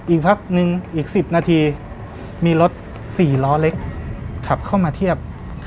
อีกพักนึงอีก๑๐นาทีมีรถ๔ล้อเล็กขับเข้ามาเทียบ